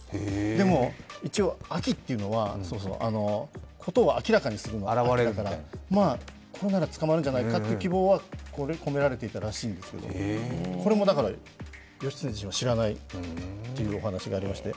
でも、顕というのは事を明らかにすることの表れだから、これなら捕まるんじゃないかという希望が込められていたらしいんですけれどもこれも義経自身は知らないというお話がありまして。